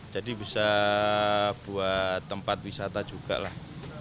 jadi bisa buat tempat wisata juga lah